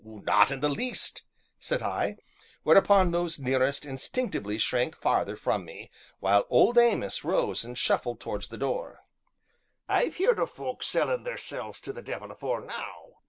"Not in the least," said I, whereupon those nearest instinctively shrank farther from me, while Old Amos rose and shuffled towards the door. "I've heerd o' folk sellin' theirselves to the devil afore now."